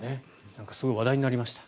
なんかすごく話題になりました。